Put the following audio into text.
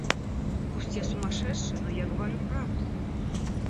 Пусть я сумасшедший, но я говорю правду.